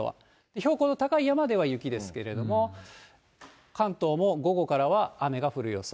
標高の高い山では雪ですけれども、関東も午後からは雨が降る予想。